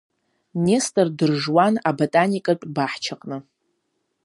Нестор дыржуан аботаникатә баҳчаҟны.